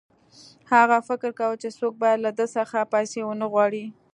هغه فکر کاوه چې څوک باید له ده څخه پیسې ونه غواړي